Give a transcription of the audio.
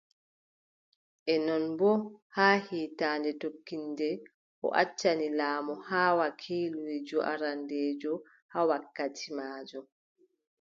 E non boo, haa hiitannde tokkiinde, o accani laamu haa, wakiliijo arandeejo haa wakkati maajum.